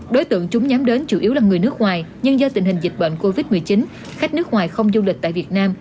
đối tượng chúng nhắm đến chủ yếu là người nước ngoài nhưng do tình hình dịch bệnh covid một mươi chín khách nước ngoài không du lịch tại việt nam